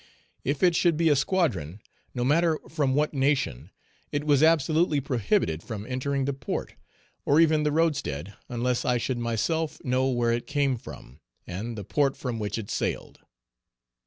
If it should be a squadron, no matter from what nation, it was absolutely prohibited from entering the port, or even the roadstead, unless I should myself know where it came from, and the port from which it sailed.